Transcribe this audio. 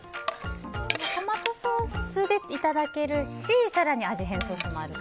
トマトソースでいただけるし更に味変ソースもあると。